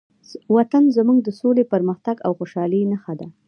وطن زموږ د سولې، پرمختګ او خوشحالۍ نښه ده.